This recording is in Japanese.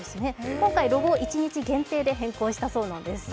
今回、ロゴは一日限定で変更したそうです。